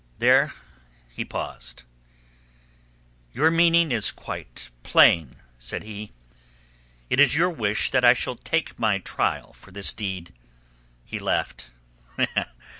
There he paused. "Your meaning is quite plain," said he. "It is your wish that I shall take my trial for this deed." He laughed.